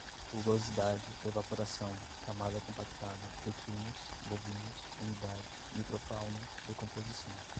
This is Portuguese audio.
rugosidade, evaporação, camada compactada, equinos, bovinos, humidade, micro-fauna, decomposição